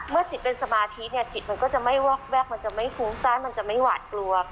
จิตเป็นสมาธิเนี่ยจิตมันก็จะไม่วอกแวกมันจะไม่ฟุ้งซ่านมันจะไม่หวาดกลัว